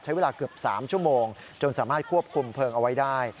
ใช้เวลาเกือบ๓ชั่วโมงจนสามารถควบคุมเพลิงเอาไว้ได้